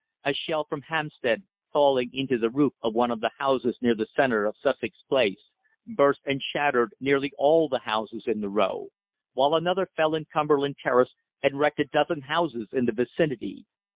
A shell from Hampstead, falling into the roof of one of the houses near the centre of Sussex Place, burst and shattered nearly all the houses in the row; while another fell in Cumberland Terrace and wrecked a dozen houses in the vicinity.